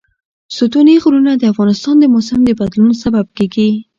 ستوني غرونه د افغانستان د موسم د بدلون سبب کېږي.